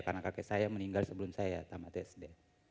karena kakek saya meninggal sebelum saya tamat sd